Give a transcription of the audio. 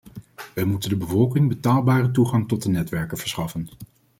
Wij moeten de bevolking betaalbare toegang tot de netwerken verschaffen.